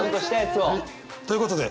ということで。